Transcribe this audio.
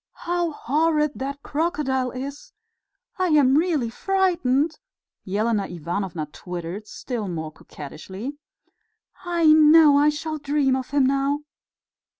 "How horrid that crocodile is! I am really frightened," Elena Ivanovna twittered, still more coquettishly. "I know I shall dream of him now."